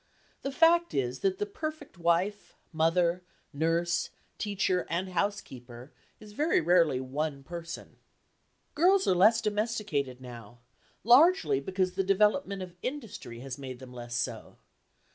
The fact is that the perfect wife, mother, nurse, teacher and housekeeper is very rarely one person. Girls are less domesticated now, largely because the development of industry has made them less so.